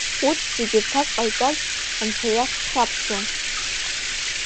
Урҭ зегьы рҭак ҟаиҵарц, Анцәа иахь дхьаԥшуан.